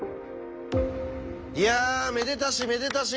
いやめでたしめでたし！